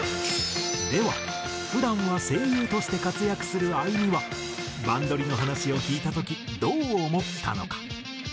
では普段は声優として活躍する愛美は『バンドリ！』の話を聞いた時どう思ったのか？